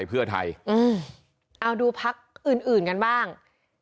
เอาดูพักอื่นกันบ้าง